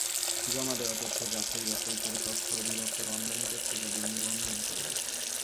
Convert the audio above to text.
জমা দেওয়া তথ্য যাচাই বাছাই করে তথ্য অধিদপ্তর অনলাইন পত্রিকাটির নিবন্ধন করবে।